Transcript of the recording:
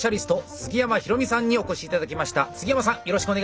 杉山さん